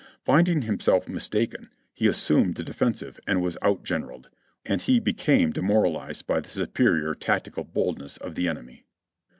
Finding himself mistaken, he assumed the defensive and was outgeneraled, and he became demoralized by the superior tactical boldness of the enemy."